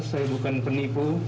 saya bukan penipu